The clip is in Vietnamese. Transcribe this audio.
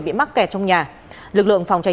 bị mắc kẹt trong nhà lực lượng phòng cháy